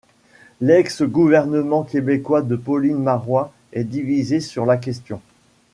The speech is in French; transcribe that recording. L'ex gouvernement québécois de Pauline Marois est divisé sur la question.